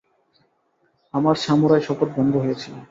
আমার সামুরাই শপথ ভঙ্গ হয়েছিল।